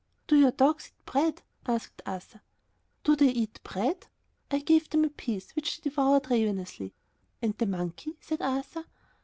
"Do your dogs eat bread?" asked Arthur. "Do they eat bread!" I gave them a piece which they devoured ravenously. "And the monkey?" said Arthur.